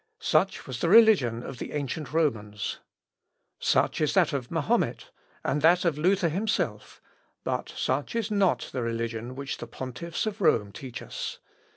Such was the religion of the ancient Romans.... Such is that of Mahomet, and that of Luther himself; but such is not the religion which the pontiffs of Rome teach us.